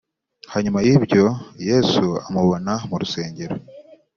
Hanyuma y ibyo yesu amubona mu rusengero